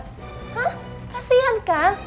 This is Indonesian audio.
hah kasian kan